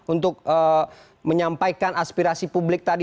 untuk menyampaikan aspirasi publik tadi